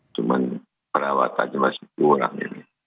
cuma perawatan masih kurang